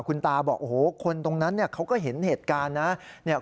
คุณตาบอกโอ้โหคนตรงนั้นเนี่ยเขาก็เห็นเหตุการณ์นะ